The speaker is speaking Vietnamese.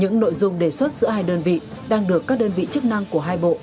những nội dung đề xuất giữa hai đơn vị đang được các đơn vị chức năng của hai bộ